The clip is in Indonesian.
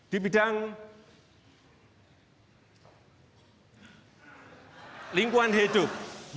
di bidang lingkungan hidup